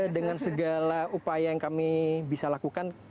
dengan segala upaya yang kami bisa lakukan